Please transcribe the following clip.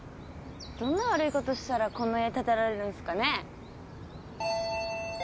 どんな悪い事したらこんな家建てられるんすかねえ。